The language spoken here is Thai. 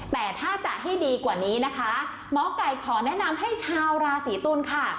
แต่ถ้าจะให้ดีกว่านี้นะคะหมอไก่ขอแนะนำให้ชาวราศีตุลค่ะ